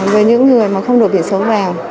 với những người mà không đột biển số vào